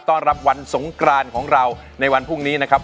ต้อนรับวันสงกรานของเราในวันพรุ่งนี้นะครับ